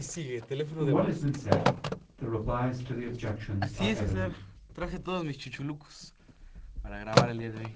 From what has been said the replies to the objections are evident.